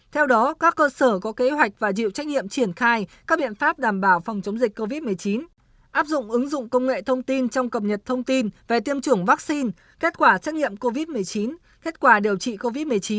theo đó các cơ sở có kế hoạch và chịu trách nhiệm triển khai các biện pháp đảm bảo phòng chống dịch covid một mươi chín áp dụng ứng dụng công nghệ thông tin trong cập nhật thông tin về tiêm chủng vaccine kết quả xét nghiệm covid một mươi chín kết quả điều trị covid một mươi chín